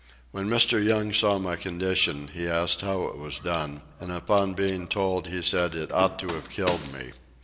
When Mr. Young saw my condition, he asked how it was done, and upon being told he said it ought to have killed me.